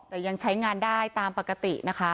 แต่ยังใช้งานได้ตามปกตินะคะ